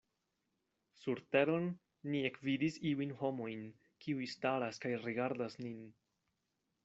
Surteron ni ekvidis iujn homojn, kiuj staras kaj rigardas nin.